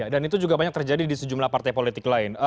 dan itu juga banyak terjadi di sejumlah partai politik lain